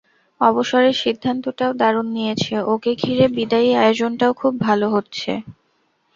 অবসরের সিদ্ধান্তটাও দারুণ নিয়েছে, ওকে ঘিরে বিদায়ী আয়োজনটাও খুব ভালো হচ্ছে।